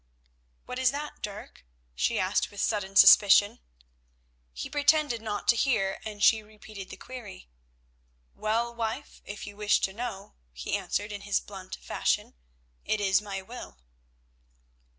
"What is that, Dirk?" she asked with sudden suspicion. He pretended not to hear, and she repeated the query. "Well, wife, if you wish to know," he answered in his blunt fashion, "it is my will."